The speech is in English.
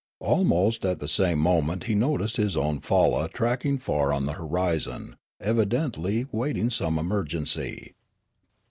Almost at the same moment he noticed his own falla tacking far on the horizon, evidently waiting some emergency.